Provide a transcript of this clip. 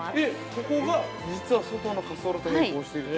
ここが、実は外の滑走路と並行していると？